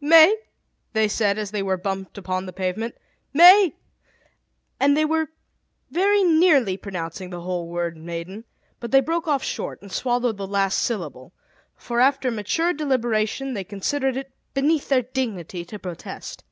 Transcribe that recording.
"Mai !" they said, as they were bumped upon the pavement. "Mai !" and they were very nearly pronouncing the whole word "maiden;" but they broke off short, and swallowed the last syllable; for after mature deliberation they considered it beneath their dignity to protest.